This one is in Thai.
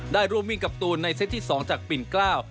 ได้ร่วมวิ่งกับตูนในเซตที่๒จากปิ่นเกล้า